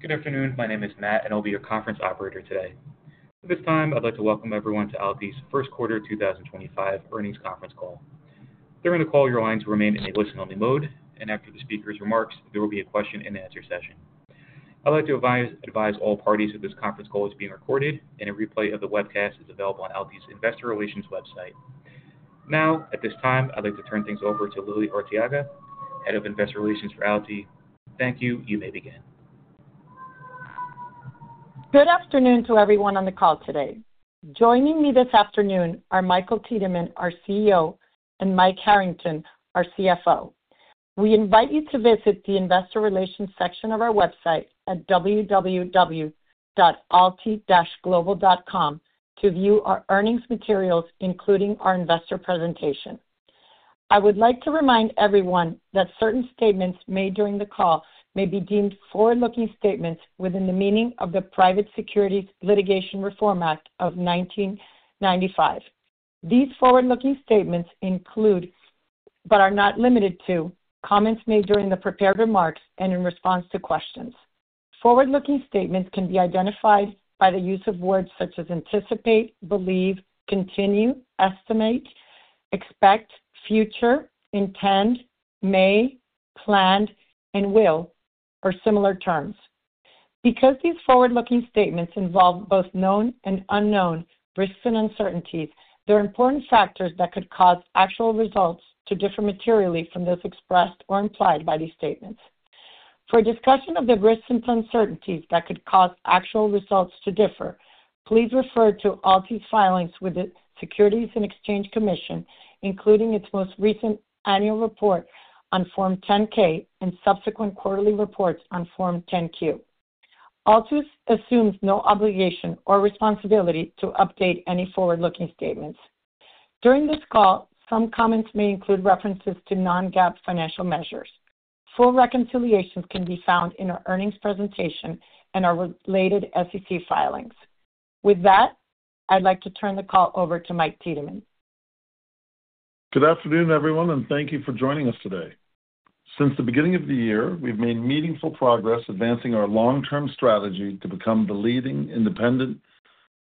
Good afternoon. My name is Matt, and I'll be your conference operator today. At this time, I'd like to welcome everyone to AlTi's first quarter 2025 earnings conference call. During the call, your lines will remain in a listen-only mode, and after the speaker's remarks, there will be a question-and-answer session. I'd like to advise all parties that this conference call is being recorded, and a replay of the webcast is available on AlTi's investor relations website. Now, at this time, I'd like to turn things over to Lily Arteaga, Head of Investor Relations for AlTi. Thank you. You may begin. Good afternoon to everyone on the call today. Joining me this afternoon are Michael Tiedemann, our CEO, and Mike Harrington, our CFO. We invite you to visit the investor relations section of our website at www.altiglobal.com to view our earnings materials, including our investor presentation. I would like to remind everyone that certain statements made during the call may be deemed forward-looking statements within the meaning of the Private Securities Litigation Reform Act of 1995. These forward-looking statements include, but are not limited to, comments made during the prepared remarks and in response to questions. Forward-looking statements can be identified by the use of words such as anticipate, believe, continue, estimate, expect, future, intend, may, planned, and will, or similar terms. Because these forward-looking statements involve both known and unknown risks and uncertainties, there are important factors that could cause actual results to differ materially from those expressed or implied by these statements. For a discussion of the risks and uncertainties that could cause actual results to differ, please refer to AlTi's filings with the Securities and Exchange Commission, including its most recent annual report on Form 10-K and subsequent quarterly reports on Form 10-Q. AlTi assumes no obligation or responsibility to update any forward-looking statements. During this call, some comments may include references to non-GAAP financial measures. Full reconciliations can be found in our earnings presentation and our related SEC filings. With that, I'd like to turn the call over to Michael Tiedemann. Good afternoon, everyone, and thank you for joining us today. Since the beginning of the year, we've made meaningful progress advancing our long-term strategy to become the leading independent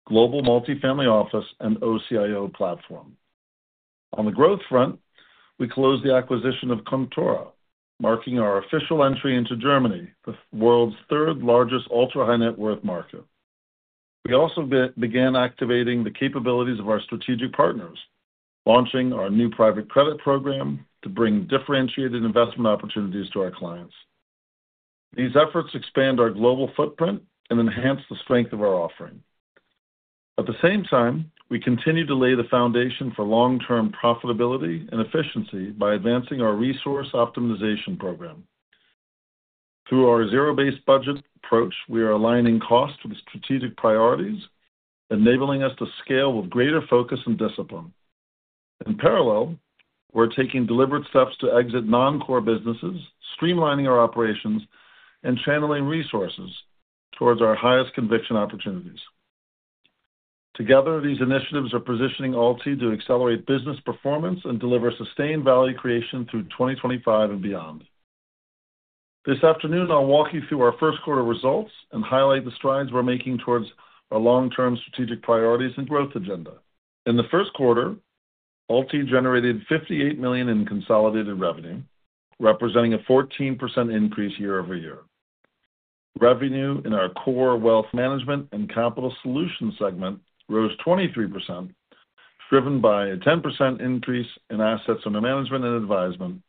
global multifamily office and OCIO platform. On the growth front, we closed the acquisition of Kontora, marking our official entry into Germany, the world's third-largest ultra-high-net-worth market. We also began activating the capabilities of our strategic partners, launching our new private credit program to bring differentiated investment opportunities to our clients. These efforts expand our global footprint and enhance the strength of our offering. At the same time, we continue to lay the foundation for long-term profitability and efficiency by advancing our resource optimization program. Through our zero-based budgeting approach, we are aligning costs with strategic priorities, enabling us to scale with greater focus and discipline. In parallel, we're taking deliberate steps to exit non-core businesses, streamlining our operations, and channeling resources towards our highest conviction opportunities. Together, these initiatives are positioning AlTi to accelerate business performance and deliver sustained value creation through 2025 and beyond. This afternoon, I'll walk you through our first quarter results and highlight the strides we're making towards our long-term strategic priorities and growth agenda. In the first quarter, AlTi generated $58 million in consolidated revenue, representing a 14% increase year over year. Revenue in our core wealth management and capital solutions segment rose 23%, driven by a 10% increase in assets under management and advisement,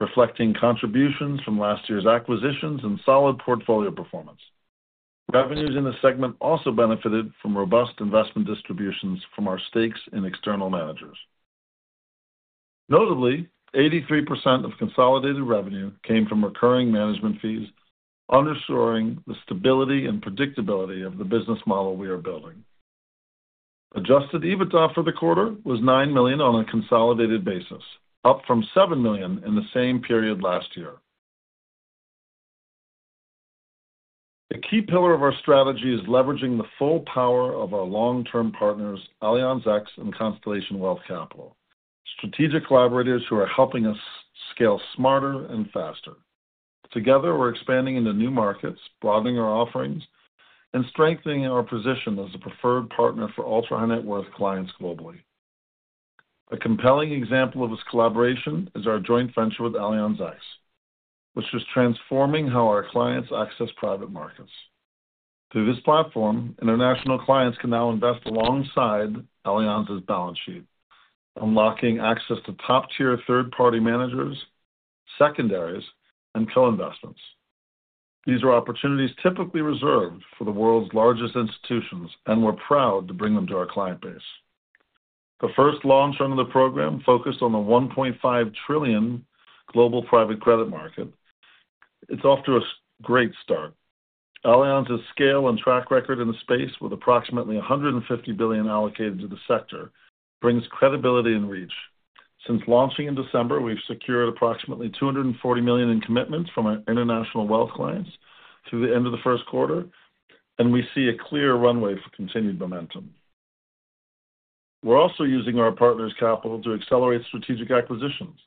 reflecting contributions from last year's acquisitions and solid portfolio performance. Revenues in the segment also benefited from robust investment distributions from our stakes and external managers. Notably, 83% of consolidated revenue came from recurring management fees, underscoring the stability and predictability of the business model we are building. Adjusted EBITDA for the quarter was $9 million on a consolidated basis, up from $7 million in the same period last year. A key pillar of our strategy is leveraging the full power of our long-term partners, Allianz X and Constellation Wealth Capital, strategic collaborators who are helping us scale smarter and faster. Together, we're expanding into new markets, broadening our offerings, and strengthening our position as a preferred partner for ultra-high-net-worth clients globally. A compelling example of this collaboration is our joint venture with Allianz X, which is transforming how our clients access private markets. Through this platform, international clients can now invest alongside Allianz's balance sheet, unlocking access to top-tier third-party managers, secondaries, and co-investments. These are opportunities typically reserved for the world's largest institutions, and we're proud to bring them to our client base. The first launch on the program focused on the $1.5 trillion global private credit market. It's off to a great start. Allianz X's scale and track record in the space, with approximately $150 billion allocated to the sector, brings credibility and reach. Since launching in December, we've secured approximately $240 million in commitments from our international wealth clients through the end of the first quarter, and we see a clear runway for continued momentum. We're also using our partner's capital to accelerate strategic acquisitions.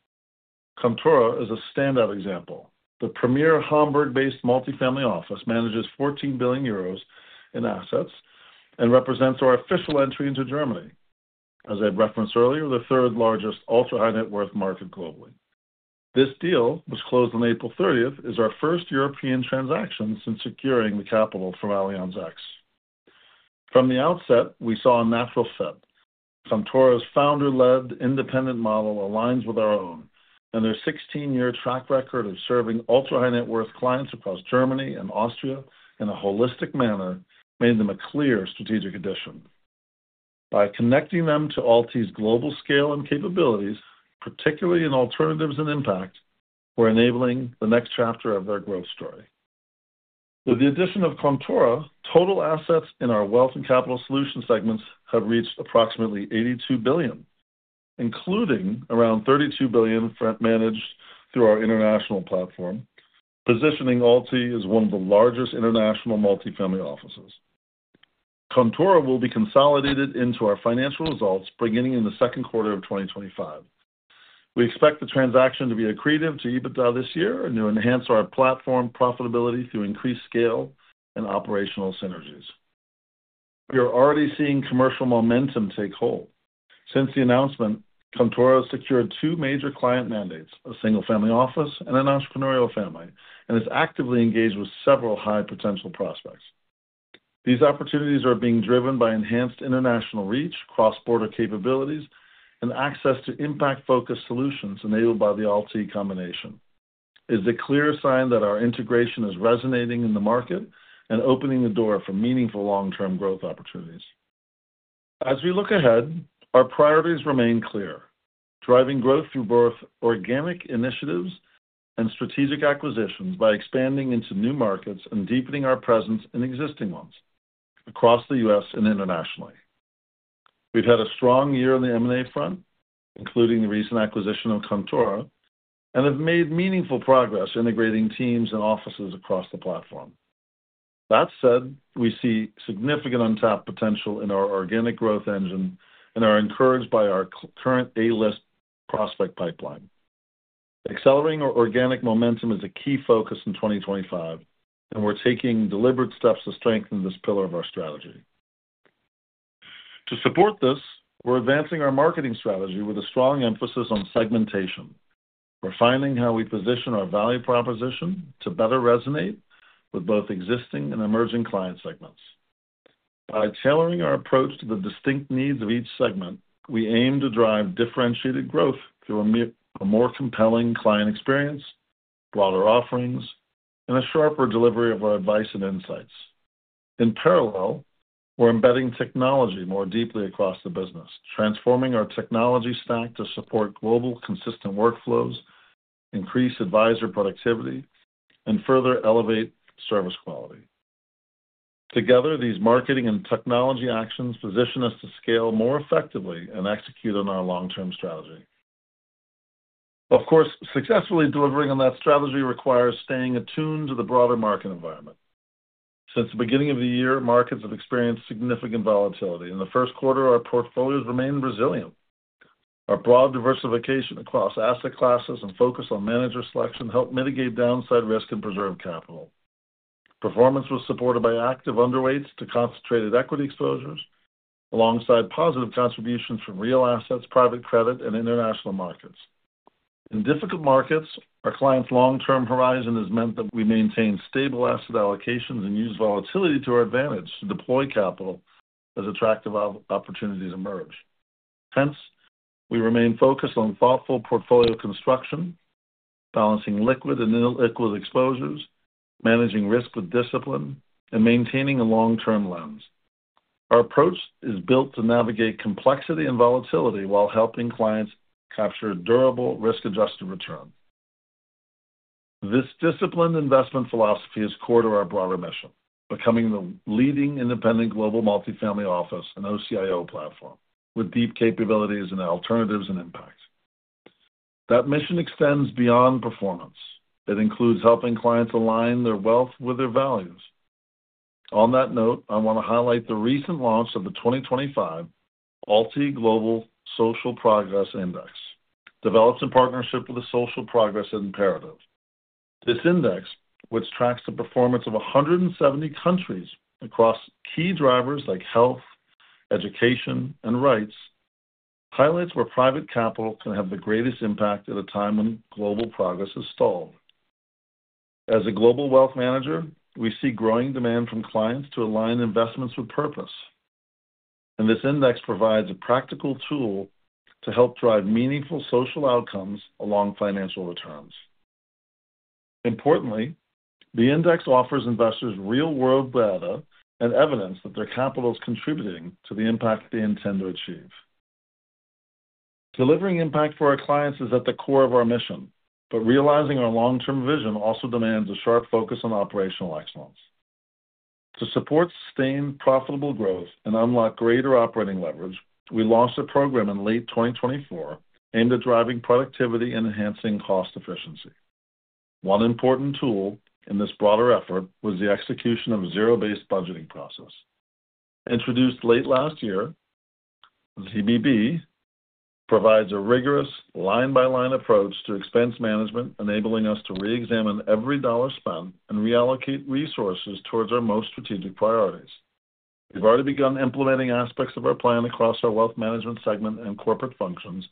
Kontora is a standout example. The premier Hamburg-based multifamily office manages 14 billion euros in assets and represents our official entry into Germany, as I've referenced earlier, the third-largest ultra-high-net-worth market globally. This deal, which closed on April 30, is our first European transaction since securing the capital from Allianz X. From the outset, we saw a natural fit. Kontora's founder-led independent model aligns with our own, and their 16-year track record of serving ultra-high-net-worth clients across Germany and Austria in a holistic manner made them a clear strategic addition. By connecting them to AlTi's global scale and capabilities, particularly in alternatives and impact, we're enabling the next chapter of their growth story. With the addition of Kontora, total assets in our wealth and capital solution segments have reached approximately $82 billion, including around $32 billion managed through our international platform, positioning AlTi as one of the largest international multifamily offices. Kontora will be consolidated into our financial results beginning in the second quarter of 2025. We expect the transaction to be accretive to EBITDA this year and to enhance our platform profitability through increased scale and operational synergies. We are already seeing commercial momentum take hold. Since the announcement, Kontora has secured two major client mandates: a single-family office and an entrepreneurial family, and is actively engaged with several high-potential prospects. These opportunities are being driven by enhanced international reach, cross-border capabilities, and access to impact-focused solutions enabled by the AlTi combination. It's a clear sign that our integration is resonating in the market and opening the door for meaningful long-term growth opportunities. As we look ahead, our priorities remain clear: driving growth through both organic initiatives and strategic acquisitions by expanding into new markets and deepening our presence in existing ones across the U.S. and internationally. We've had a strong year on the M&A front, including the recent acquisition of Kontora, and have made meaningful progress integrating teams and offices across the platform. That said, we see significant untapped potential in our organic growth engine and are encouraged by our current A-list prospect pipeline. Accelerating our organic momentum is a key focus in 2025, and we're taking deliberate steps to strengthen this pillar of our strategy. To support this, we're advancing our marketing strategy with a strong emphasis on segmentation. We're finding how we position our value proposition to better resonate with both existing and emerging client segments. By tailoring our approach to the distinct needs of each segment, we aim to drive differentiated growth through a more compelling client experience, broader offerings, and a sharper delivery of our advice and insights. In parallel, we're embedding technology more deeply across the business, transforming our technology stack to support global consistent workflows, increase advisor productivity, and further elevate service quality. Together, these marketing and technology actions position us to scale more effectively and execute on our long-term strategy. Of course, successfully delivering on that strategy requires staying attuned to the broader market environment. Since the beginning of the year, markets have experienced significant volatility, and the first quarter, our portfolios remained resilient. Our broad diversification across asset classes and focus on manager selection helped mitigate downside risk and preserve capital. Performance was supported by active underweights to concentrated equity exposures, alongside positive contributions from real assets, private credit, and international markets. In difficult markets, our clients' long-term horizon has meant that we maintain stable asset allocations and use volatility to our advantage to deploy capital as attractive opportunities emerge. Hence, we remain focused on thoughtful portfolio construction, balancing liquid and illiquid exposures, managing risk with discipline, and maintaining a long-term lens. Our approach is built to navigate complexity and volatility while helping clients capture durable risk-adjusted returns. This disciplined investment philosophy is core to our broader mission, becoming the leading independent global multifamily office and OCIO platform with deep capabilities in alternatives and impact. That mission extends beyond performance. It includes helping clients align their wealth with their values. On that note, I want to highlight the recent launch of the 2025 AlTi Global Social Progress Index, developed in partnership with the Social Progress Imperative. This index, which tracks the performance of 170 countries across key drivers like health, education, and rights, highlights where private capital can have the greatest impact at a time when global progress has stalled. As a global wealth manager, we see growing demand from clients to align investments with purpose, and this index provides a practical tool to help drive meaningful social outcomes along financial returns. Importantly, the index offers investors real-world data and evidence that their capital is contributing to the impact they intend to achieve. Delivering impact for our clients is at the core of our mission, but realizing our long-term vision also demands a sharp focus on operational excellence. To support sustained profitable growth and unlock greater operating leverage, we launched a program in late 2024 aimed at driving productivity and enhancing cost efficiency. One important tool in this broader effort was the execution of a zero-based budgeting process. Introduced late last year, ZBB provides a rigorous line-by-line approach to expense management, enabling us to re-examine every dollar spent and reallocate resources towards our most strategic priorities. We've already begun implementing aspects of our plan across our wealth management segment and corporate functions,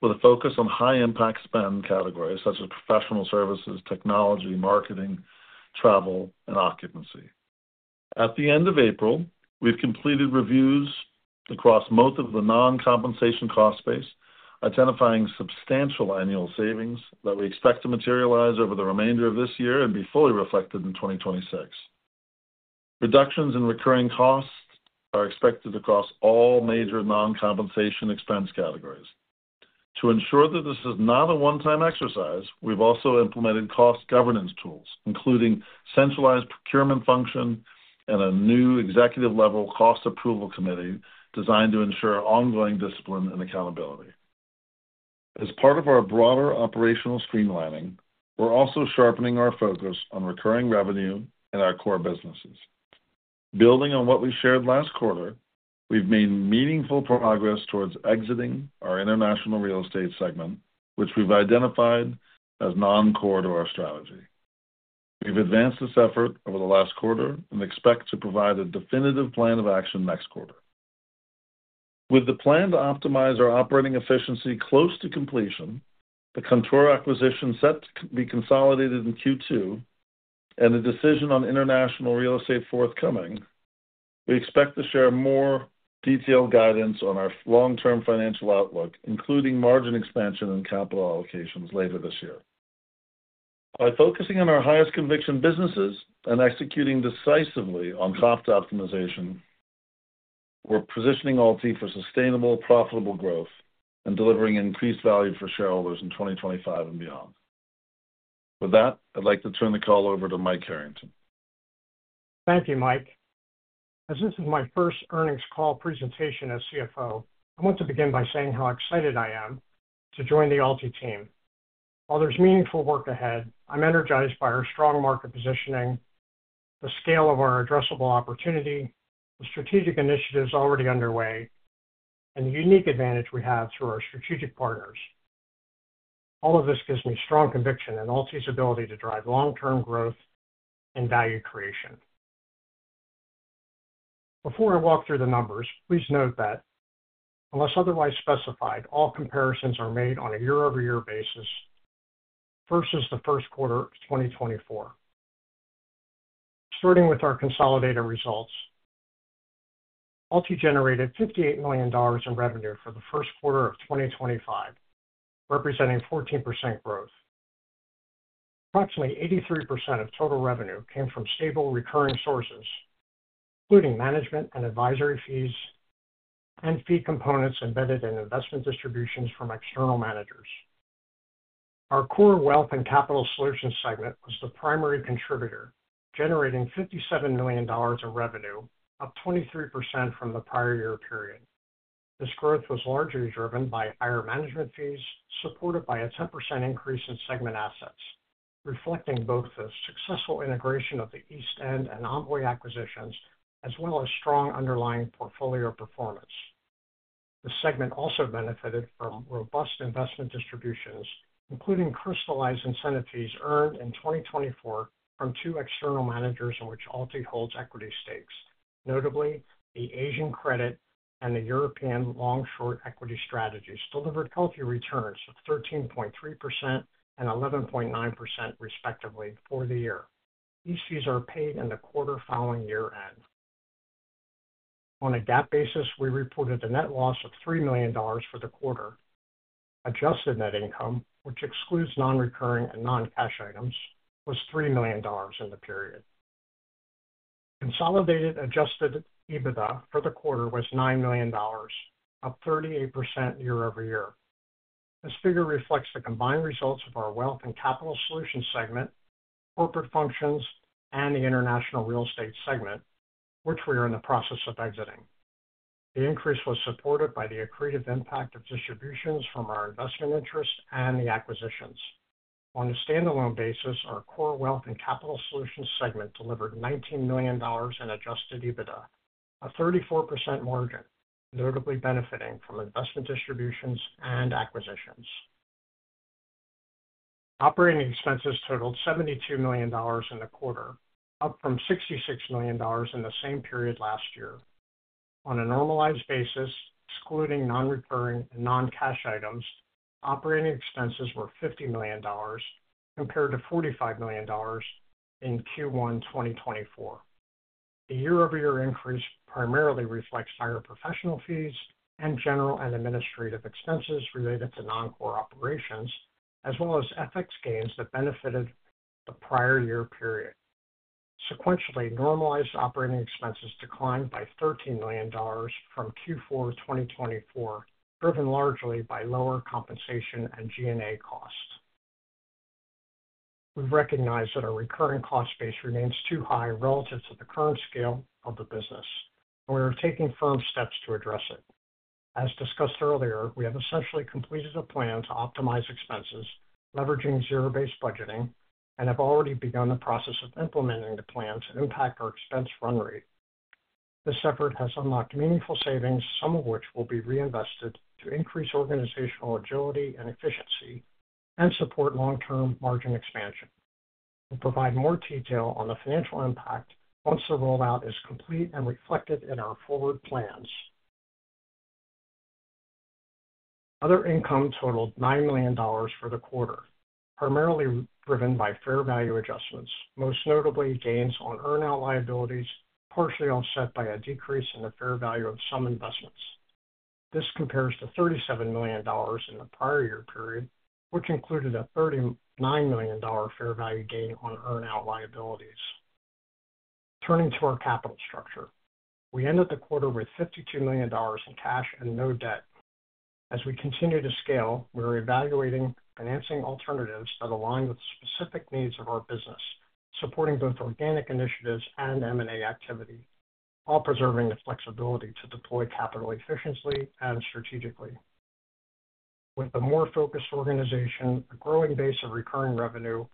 with a focus on high-impact spend categories such as professional services, technology, marketing, travel, and occupancy. At the end of April, we've completed reviews across most of the non-compensation cost space, identifying substantial annual savings that we expect to materialize over the remainder of this year and be fully reflected in 2026. Reductions in recurring costs are expected across all major non-compensation expense categories. To ensure that this is not a one-time exercise, we've also implemented cost governance tools, including a centralized procurement function and a new executive-level cost approval committee designed to ensure ongoing discipline and accountability. As part of our broader operational streamlining, we're also sharpening our focus on recurring revenue and our core businesses. Building on what we shared last quarter, we've made meaningful progress towards exiting our International Real Estate segment, which we've identified as non-core to our strategy. We've advanced this effort over the last quarter and expect to provide a definitive plan of action next quarter. With the plan to optimize our operating efficiency close to completion, the Kontora acquisition set to be consolidated in Q2, and a decision on International Real Estate forthcoming, we expect to share more detailed guidance on our long-term financial outlook, including margin expansion and capital allocations later this year. By focusing on our highest conviction businesses and executing decisively on cost optimization, we're positioning AlTi for sustainable, profitable growth and delivering increased value for shareholders in 2025 and beyond. With that, I'd like to turn the call over to Mike Harrington. Thank you, Mike. As this is my first earnings call presentation as CFO, I want to begin by saying how excited I am to join the AlTi team. While there's meaningful work ahead, I'm energized by our strong market positioning, the scale of our addressable opportunity, the strategic initiatives already underway, and the unique advantage we have through our strategic partners. All of this gives me strong conviction in AlTi's ability to drive long-term growth and value creation. Before I walk through the numbers, please note that, unless otherwise specified, all comparisons are made on a year-over-year basis versus the first quarter of 2024. Starting with our consolidated results, AlTi generated $58 million in revenue for the first quarter of 2025, representing 14% growth. Approximately 83% of total revenue came from stable recurring sources, including management and advisory fees and fee components embedded in investment distributions from external managers. Our core wealth and capital solutions segment was the primary contributor, generating $57 million in revenue, up 23% from the prior year period. This growth was largely driven by higher management fees, supported by a 10% increase in segment assets, reflecting both the successful integration of the East End and Envoy acquisitions, as well as strong underlying portfolio performance. The segment also benefited from robust investment distributions, including crystallized incentive fees earned in 2024 from two external managers in which AlTi holds equity stakes, notably the Asian Credit and the European Long Short Equity Strategies, delivered healthy returns of 13.3% and 11.9%, respectively, for the year. These fees are paid in the quarter following year-end. On a GAAP basis, we reported a net loss of $3 million for the quarter. Adjusted net income, which excludes non-recurring and non-cash items, was $3 million in the period. Consolidated adjusted EBITDA for the quarter was $9 million, up 38% year-over-year. This figure reflects the combined results of our wealth and capital solution segment, corporate functions, and the International Real Estate segment, which we are in the process of exiting. The increase was supported by the accretive impact of distributions from our investment interest and the acquisitions. On a standalone basis, our core wealth and capital solution segment delivered $19 million in adjusted EBITDA, a 34% margin, notably benefiting from investment distributions and acquisitions. Operating expenses totaled $72 million in the quarter, up from $66 million in the same period last year. On a normalized basis, excluding non-recurring and non-cash items, operating expenses were $50 million, compared to $45 million in Q1 2024. The year-over-year increase primarily reflects higher professional fees and general and administrative expenses related to non-core operations, as well as ethics gains that benefited the prior year period. Sequentially, normalized operating expenses declined by $13 million from Q4 2024, driven largely by lower compensation and G&A costs. We recognize that our recurring cost base remains too high relative to the current scale of the business, and we are taking firm steps to address it. As discussed earlier, we have essentially completed a plan to optimize expenses, leveraging zero-based budgeting, and have already begun the process of implementing the plan to impact our expense run rate. This effort has unlocked meaningful savings, some of which will be reinvested to increase organizational agility and efficiency and support long-term margin expansion. We'll provide more detail on the financial impact once the rollout is complete and reflected in our forward plans. Other income totaled $9 million for the quarter, primarily driven by fair value adjustments, most notably gains on earn-out liabilities, partially offset by a decrease in the fair value of some investments. This compares to $37 million in the prior year period, which included a $39 million fair value gain on earn-out liabilities. Turning to our capital structure, we ended the quarter with $52 million in cash and no debt. As we continue to scale, we are evaluating financing alternatives that align with the specific needs of our business, supporting both organic initiatives and M&A activity, while preserving the flexibility to deploy capital efficiently and strategically. With a more focused organization, a growing base of recurring revenue,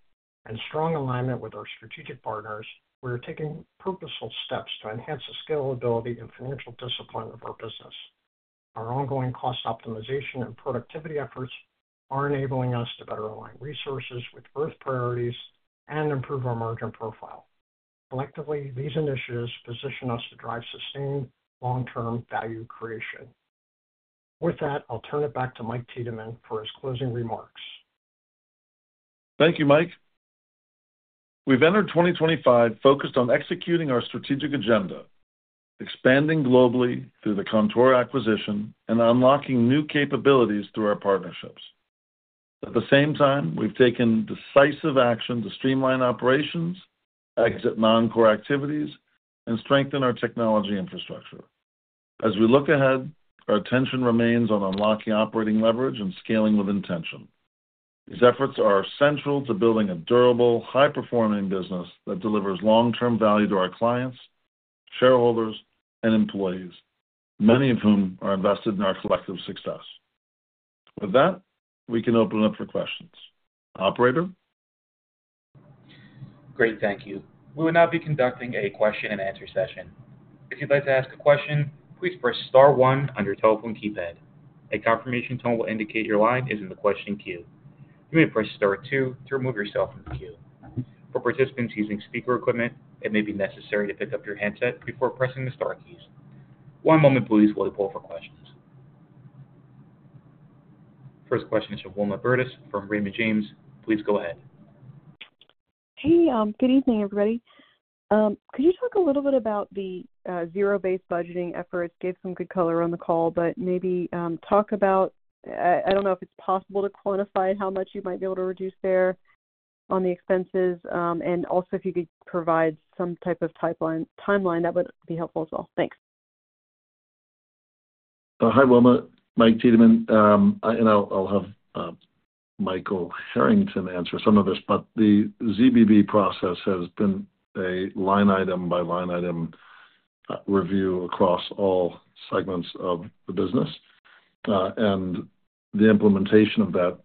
and strong alignment with our strategic partners, we are taking purposeful steps to enhance the scalability and financial discipline of our business. Our ongoing cost optimization and productivity efforts are enabling us to better align resources with growth priorities and improve our margin profile. Collectively, these initiatives position us to drive sustained long-term value creation. With that, I'll turn it back to Michael Tiedemann for his closing remarks. Thank you, Michael. We've entered 2025 focused on executing our strategic agenda, expanding globally through the Kontora acquisition and unlocking new capabilities through our partnerships. At the same time, we've taken decisive action to streamline operations, exit non-core activities, and strengthen our technology infrastructure. As we look ahead, our attention remains on unlocking operating leverage and scaling with intention. These efforts are central to building a durable, high-performing business that delivers long-term value to our clients, shareholders, and employees, many of whom are invested in our collective success. With that, we can open it up for questions. Operator? Great, thank you. We will now be conducting a question-and-answer session. If you'd like to ask a question, please press star 1 on your telephone keypad. A confirmation tone will indicate your line is in the question queue. You may press star 2 to remove yourself from the queue. For participants using speaker equipment, it may be necessary to pick up your handset before pressing the star keys. One moment, please, while we pull up our questions. First question is from Wilma Burdis from Raymond James. Please go ahead. Hey, good evening, everybody. Could you talk a little bit about the zero-based budgeting efforts? Gave some good color on the call, but maybe talk about—I don't know if it's possible to quantify how much you might be able to reduce there on the expenses, and also if you could provide some type of timeline, that would be helpful as well. Thanks. Hi, Wilma. Mike Tiedemann, and I'll have Michael Harrington answer some of this, but the ZBB process has been a line-item-by-line-item review across all segments of the business, and the implementation of that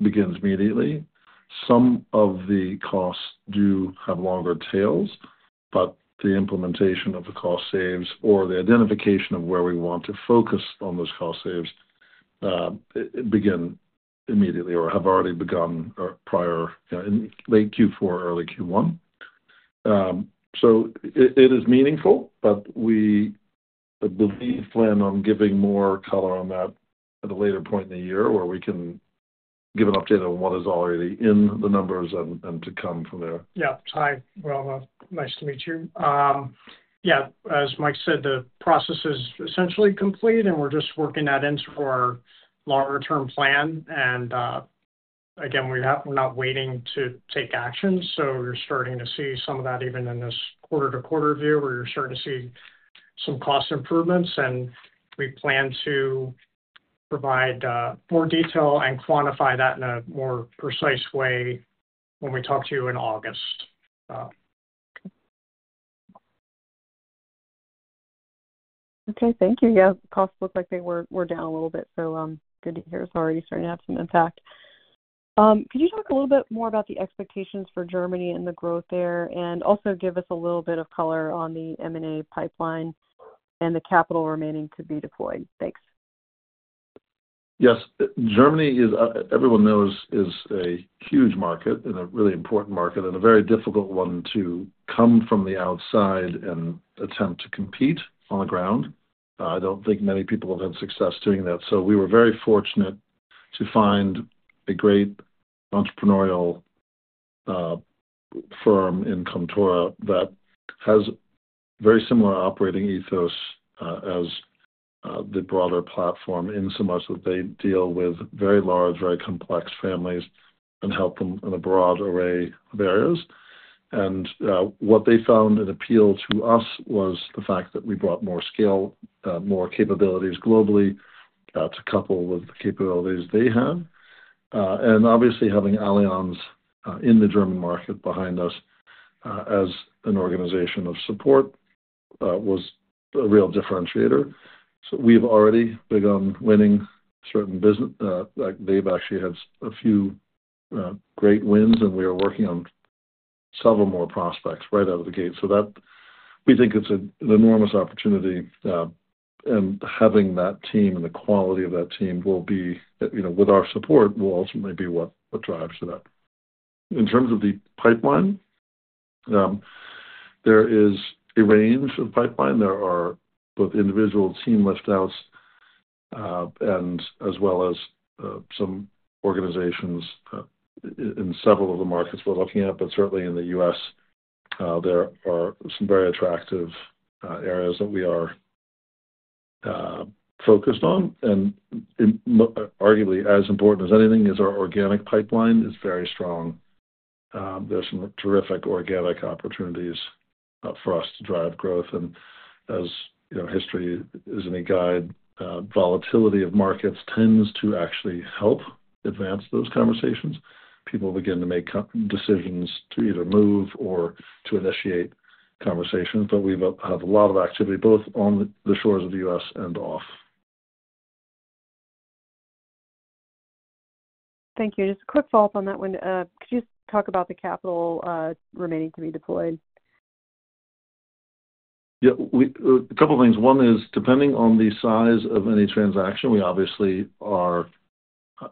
begins immediately. Some of the costs do have longer tails, but the implementation of the cost saves or the identification of where we want to focus on those cost saves begin immediately or have already begun prior in late Q4, early Q1. It is meaningful, but we believe plan on giving more color on that at a later point in the year where we can give an update on what is already in the numbers and to come from there. Yeah. Hi, Wilma. Nice to meet you. Yeah, as Mike said, the process is essentially complete, and we're just working that into our longer-term plan. Again, we're not waiting to take action, so you're starting to see some of that even in this quarter-to-quarter view where you're starting to see some cost improvements. We plan to provide more detail and quantify that in a more precise way when we talk to you in August. Okay. Thank you. Yeah, cost looks like they were down a little bit, so good to hear it's already starting to have some impact. Could you talk a little bit more about the expectations for Germany and the growth there, and also give us a little bit of color on the M&A pipeline and the capital remaining to be deployed? Thanks. Yes. Germany, as everyone knows, is a huge market and a really important market and a very difficult one to come from the outside and attempt to compete on the ground. I don't think many people have had success doing that. We were very fortunate to find a great entrepreneurial firm in Kontora that has a very similar operating ethos as the broader platform in so much that they deal with very large, very complex families and help them in a broad array of areas. What they found an appeal to us was the fact that we brought more scale, more capabilities globally to couple with the capabilities they have. Obviously, having Allianz in the German market behind us as an organization of support was a real differentiator. We have already begun winning certain business. They have actually had a few great wins, and we are working on several more prospects right out of the gate. We think it's an enormous opportunity, and having that team and the quality of that team will be, with our support, will ultimately be what drives to that. In terms of the pipeline, there is a range of pipeline. There are both individual team liftouts as well as some organizations in several of the markets we're looking at, but certainly in the U.S., there are some very attractive areas that we are focused on. Arguably as important as anything is our organic pipeline. It's very strong. There are some terrific organic opportunities for us to drive growth. As history is any guide, volatility of markets tends to actually help advance those conversations. People begin to make decisions to either move or to initiate conversations, but we have a lot of activity both on the shores of the U.S. and off. Thank you. Just a quick follow-up on that one. Could you talk about the capital remaining to be deployed? Yeah. A couple of things. One is, depending on the size of any transaction, we obviously are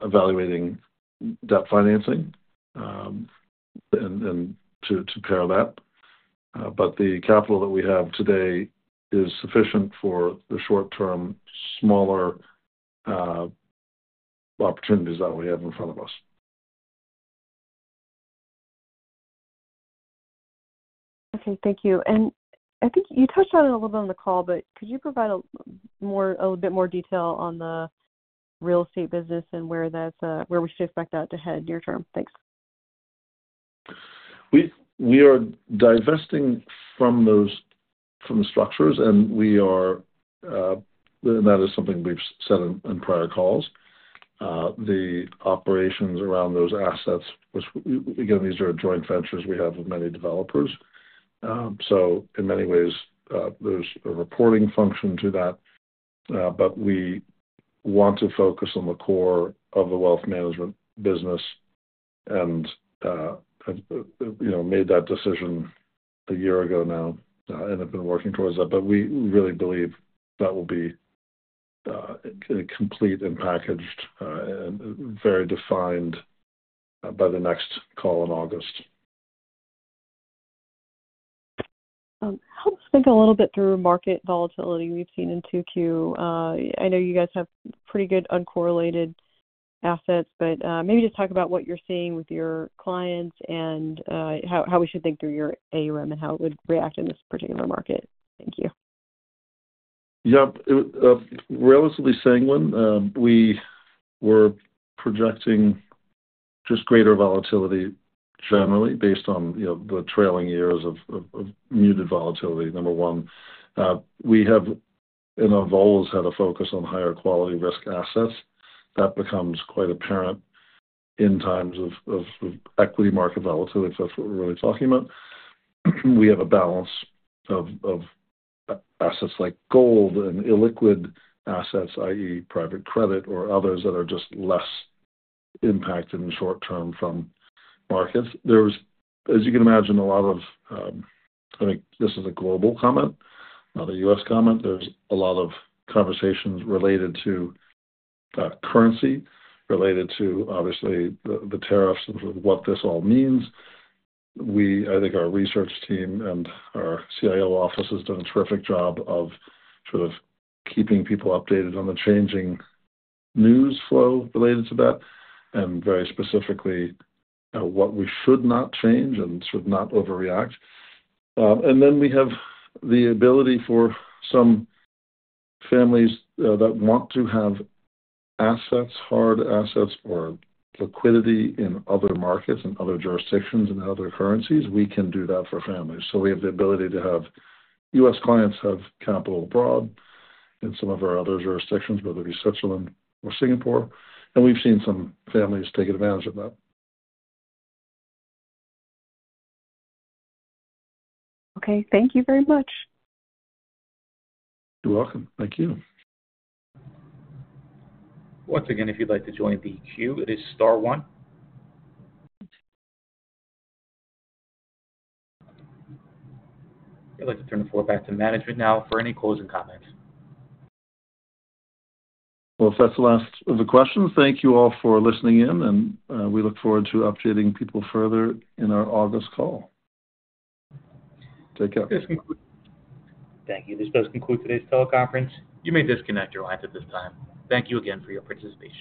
evaluating debt financing to pair that. The capital that we have today is sufficient for the short-term, smaller opportunities that we have in front of us. Okay. Thank you. I think you touched on it a little bit on the call, but could you provide a little bit more detail on the real estate business and where we should expect that to head near term? Thanks. We are divesting from those structures, and that is something we've said in prior calls. The operations around those assets, again, these are joint ventures we have with many developers. In many ways, there is a reporting function to that, but we want to focus on the core of the wealth management business and made that decision a year ago now and have been working towards that. We really believe that will be complete and packaged and very defined by the next call in August. Help us think a little bit through market volatility we have seen in Q2. I know you guys have pretty good uncorrelated assets, but maybe just talk about what you are seeing with your clients and how we should think through your AUM and how it would react in this particular market. Thank you. Yep. Relatively sanguine. We were projecting just greater volatility generally based on the trailing years of muted volatility, number one. We have and have always had a focus on higher quality risk assets. That becomes quite apparent in times of equity market volatility if that's what we're really talking about. We have a balance of assets like gold and illiquid assets, i.e., private credit or others that are just less impacted in the short term from markets. There is, as you can imagine, a lot of—I think this is a global comment, not a U.S. comment. There is a lot of conversations related to currency, related to obviously the tariffs and sort of what this all means. I think our research team and our CIO office has done a terrific job of sort of keeping people updated on the changing news flow related to that and very specifically what we should not change and should not overreact. We have the ability for some families that want to have assets, hard assets, or liquidity in other markets and other jurisdictions and other currencies. We can do that for families. So we have the ability to have US clients have capital abroad in some of our other jurisdictions, whether it be Switzerland or Singapore. And we've seen some families take advantage of that. Okay. Thank you very much. You're welcome. Thank you. Once again, if you'd like to join the queue, it is star 1. I'd like to turn the floor back to management now for any closing comments. If that's the last of the questions, thank you all for listening in, and we look forward to updating people further in our August call. Take care. Thank you. This does conclude today's teleconference. You may disconnect your lines at this time. Thank you again for your participation.